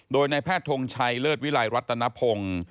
โดยในแพทย์ทงชัยเลิศวิลัยรัตนพงศ์